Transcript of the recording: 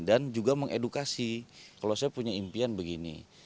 dan juga mengedukasi kalau saya punya impian begini